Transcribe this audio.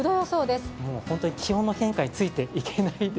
気温の変化についていけない。